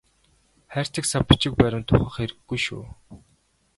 Хайрцаг сав бичиг баримт ухах хэрэггүй шүү.